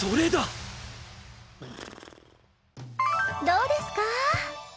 どうですか？